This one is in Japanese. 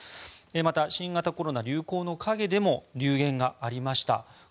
また、新型コロナ流行の影でも流言がありました。